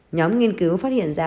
nhóm nghiên cứu phát hiện ra